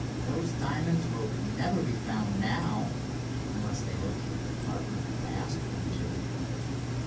Those diamonds will never be found now, unless they locate the partner he passed them to."